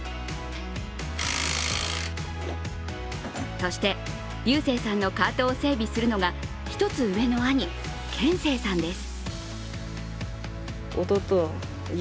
そして、龍征さんのカートを整備するのが１つ上の兄、賢征さんです。